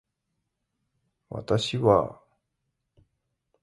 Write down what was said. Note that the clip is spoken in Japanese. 私はあ